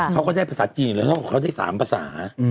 เขาก็ได้ภาษาจีนแล้วเขาได้สามภาษา